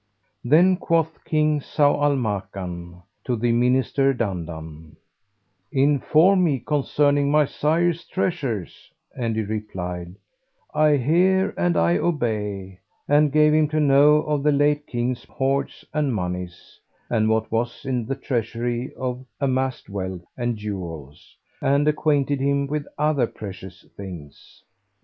Then quoth King Zau al Makan to the Minister Dandan, "Inform me concerning my sire's treasures;" and he replied, "I hear and I obey;" and gave him to know of the late King's hoards and monies, and what was in the treasury of amassed wealth and jewels, and acquainted him with other precious things.